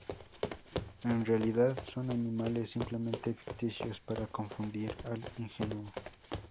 En realidad, son animales simplemente ficticios para confundir al ingenuo.